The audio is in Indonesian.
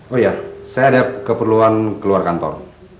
oh iya saya ada keperluan keluar kantor